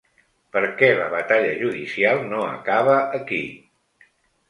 Perquè la batalla judicial no acaba aquí.